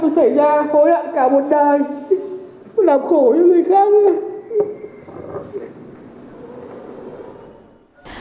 hối hạ cả một đời làm khổ cho người khác